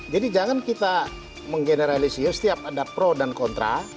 jadi jangan kita menggeneralisir setiap ada pro dan kontra